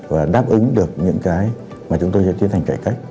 và đáp ứng được những cái mà chúng tôi sẽ tiến hành cải cách